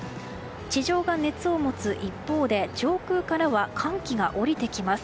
地上が熱を持つ一方で上空からは寒気が下りてきます。